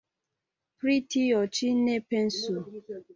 Pri tio ĉi ne pensu!